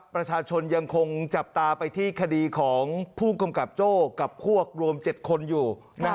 ประชาชนยังคงจับตาไปที่คดีของผู้กำกับโจ้กับพวกรวม๗คนอยู่